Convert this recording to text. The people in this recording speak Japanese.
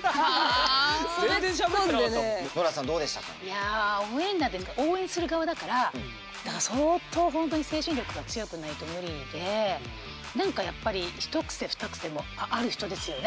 いや応援団って応援する側だからだから相当ほんとに精神力が強くないと無理で何かやっぱり一癖二癖もある人ですよね？